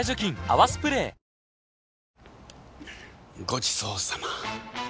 ごちそうさま！